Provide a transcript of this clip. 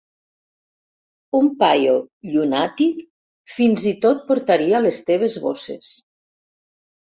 Un paio llunàtic, fins i tot portaria les teves bosses.